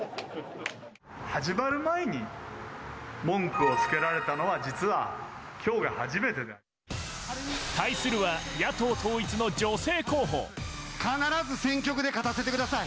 始まる前に文句をつけられた対するは、野党統一の女性候必ず選挙区で勝たせてください。